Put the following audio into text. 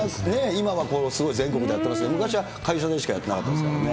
今はすごい全国でやってますけど、昔は会社でしかやってなかったですからね。